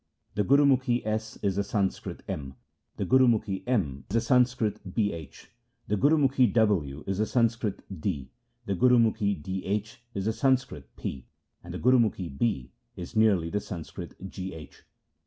The Gurumukhi S is the San skrit M, the Gurumukhi M is the Sanskrit Bh, the Gurumukhi W is the Sanskrit D, the Gurumukhi Dh, is the Sanskrit P, and the Gurumukhi B is nearly the Sanskrit Gh.